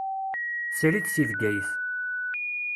Srid seg Bgayet.